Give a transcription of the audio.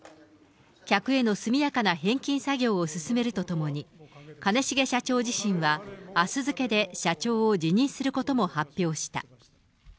客への速やかな返金作業を進めるとともに、兼重社長自身は、あす付けで社長を辞任することも発表した。